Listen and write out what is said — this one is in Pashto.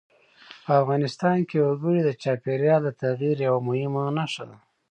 په افغانستان کې وګړي د چاپېریال د تغیر یوه مهمه نښه ده.